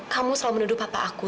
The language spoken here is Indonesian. kamu selalu menuduh papa aku